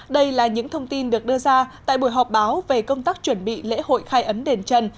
đây là những thông tin được đưa ra tại buổi họp báo về công tác chuẩn bị lễ hội khai ấn đền trần